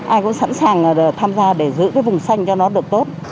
ai cũng sẵn sàng tham gia để giữ cái vùng xanh cho nó được tốt